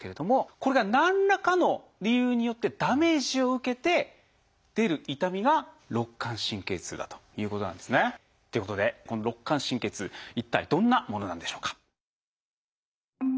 これが何らかの理由によってダメージを受けて出る痛みが肋間神経痛だということなんですね。ということでこの肋間神経痛一体どんなものなんでしょうか。